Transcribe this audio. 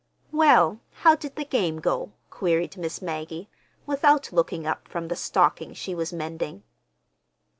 "Well, how did the game go?" queried Miss Maggie, without looking up from the stocking she was mending.